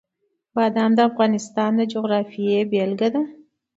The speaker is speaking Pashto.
بادام د افغانستان د جغرافیې بېلګه ده.